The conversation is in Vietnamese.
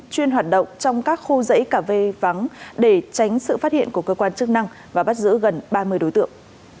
chuyên hoạt động trong các khu dãy cà phê vắng để tránh sự phát hiện của cơ quan chức năng và bắt giữ gần ba mươi đối tượng